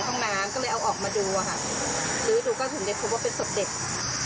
ห้องน้ำก็เลยเอาออกมาดูอะค่ะลื้อดูก็ถึงได้พบว่าเป็นศพเด็ก